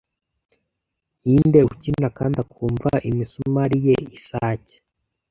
ninde ukina kandi akumva imisumari ye isake